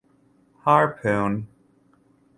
Harpoon!